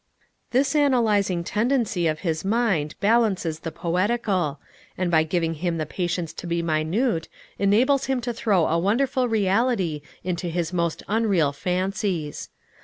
This analyzing tendency of his mind balances the poetical, and by giving him the patience to be minute, enables him to throw a wonderful reality into his most unreal fancies.